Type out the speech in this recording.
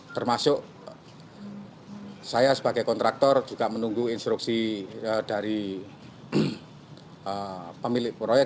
termasuk saya sebagai kontraktor juga menunggu instruksi dari pemilik proyek